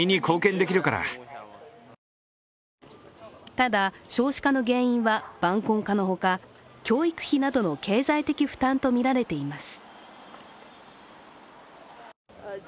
ただ、少子化の原因は晩婚化のほか教育費などの経済的負担とみられています。